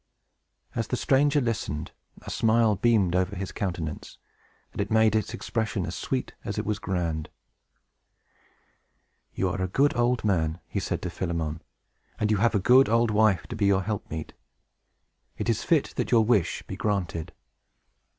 As the stranger listened, a smile beamed over his countenance, and made its expression as sweet as it was grand. "You are a good old man," said he to Philemon, "and you have a good old wife to be your helpmeet. It is fit that your wish be granted."